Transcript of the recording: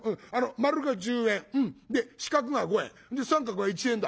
丸が十円で四角が五円で三角は一円だ」。